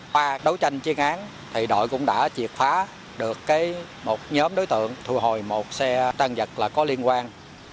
qua đấu tranh chiến án đội cũng đã triệt phá được một nhóm đối tượng thu hồi một xe tăng giật có liên quan